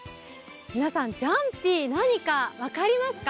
皆さん、ジャンピー、何か分かりますか？